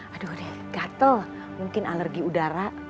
aduh gatel mungkin alergi udara